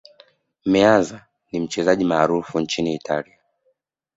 meazza ni mchezaji maarufu sana nchini italia